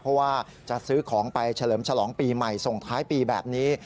เพราะว่าจะซื้อของไปเฉลิมฉลองปีใหม่ส่งท้ายปีแบบนี้